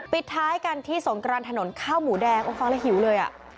ปิดท้ายกันที่สงกรานถนนข้าวหมูแดงโอ้ฟังแล้วหิวเลยอ่ะ